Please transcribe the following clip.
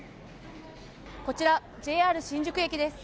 こちら、ＪＲ新宿駅です。